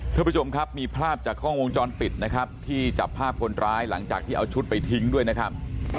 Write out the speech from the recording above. ท่านผู้ชมครับมีภาพจากกล้องวงจรปิดนะครับที่จับภาพคนร้ายหลังจากที่เอาชุดไปทิ้งด้วยนะครับ